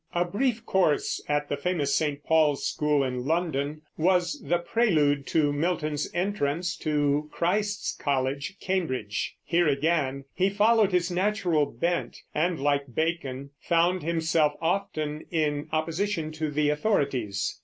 A brief course at the famous St. Paul's school in London was the prelude to Milton's entrance to Christ's College, Cambridge. Here again he followed his natural bent and, like Bacon, found himself often in opposition to the authorities.